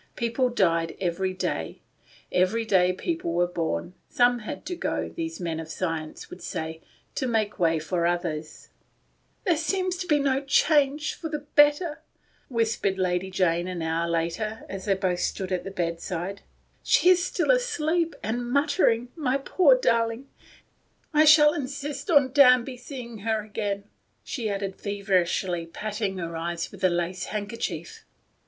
People died every day. Every day people were born. Some had to go, these men of science would say, to make way for others. "There seems to be no change — for the better," whispered Lady Jane an hour later, as they both stood at the bedside. " She is still asleep, and muttering, my poor darling. If we could only rouse her now. I shall insist on Danby seeing her again," she added feverishly, patting her eyes with a lace hand kerchief.